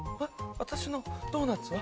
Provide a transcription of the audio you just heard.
私のドーナツは？